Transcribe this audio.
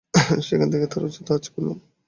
সেখান থেকে তার উচ্চতা আঁচ করলাম।